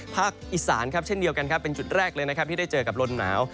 ภาคอิสรานเช่นเดียวกันเป็นจุดแรกที่ได้เจอกับลมหนาว